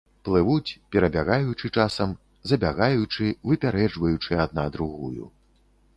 Плывуць, перабягаючы часам, забягаючы, выпярэджваючы адна другую.